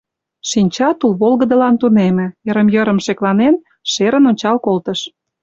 Шинча тул волгыдылан тунеме, йырым-йырым шекланен, шерын ончал колтыш.